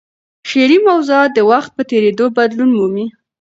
شعري موضوعات د وخت په تېرېدو بدلون مومي.